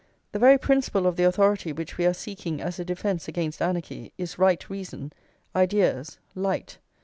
The very principle of the authority which we are seeking as a defence against anarchy is right reason, ideas, light.